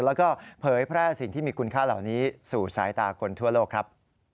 แล้วก็เผยแพร่สิ่งที่มีคุณค่าเหล่านี้สู่สายตาคนทั่วโลกครับ